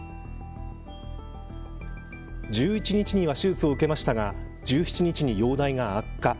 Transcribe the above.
１１日には手術を受けましたが１７日に容体が悪化。